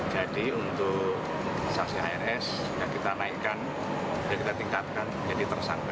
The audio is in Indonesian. jadi untuk saksi ars yang kita naikkan yang kita tingkatkan jadi tersangka